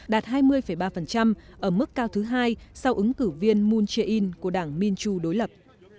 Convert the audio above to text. đạt hai mươi ba ở mức cao thứ hai sau ứng cử viên moon jae in của đảng minchu đối lập